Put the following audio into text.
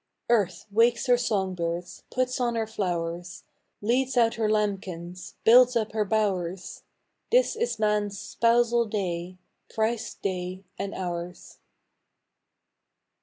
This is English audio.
Earth wakes her song birds, Puts on her flowers, Leads out her lambkins, Builds up her bowers : This is man's spousal day, Christ's day and ours.